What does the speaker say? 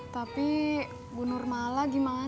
tapi bunur malah gimana